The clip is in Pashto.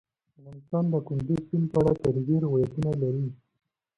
افغانستان د کندز سیند په اړه تاریخي روایتونه لري.